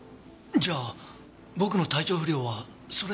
じゃあ僕の体調不良はそれで？